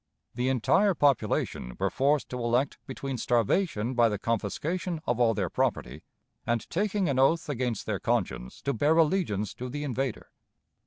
The entire population were forced to elect between starvation by the confiscation of all their property and taking an oath against their conscience to bear allegiance to the invader.